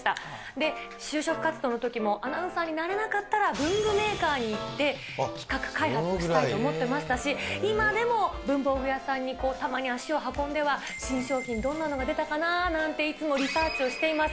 で、就職活動のときも、アナウンサーになれなかったら文具メーカーに行って、企画開発したいと思っていましたし、今でも文房具屋さんにたまに足を運んでは、新商品、どんなのが出たかななんていつもリサーチをしています。